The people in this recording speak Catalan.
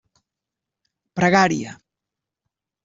Pregària.